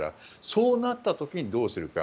そうなった時にどうするか。